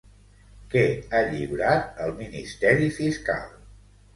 Què ha lliurat el Ministeri fiscal?